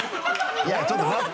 いやちょっと待って。